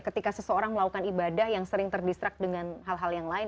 ketika seseorang melakukan ibadah yang sering terdistrak dengan hal hal yang lain